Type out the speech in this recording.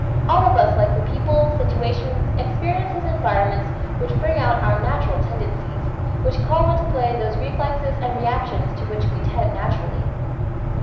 All of us like the people, situations, experiences and environments which bring out our natural tendencies, which call into play those reflexes and reactions to which we tend naturally.